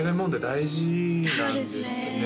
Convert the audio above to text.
大事なんですね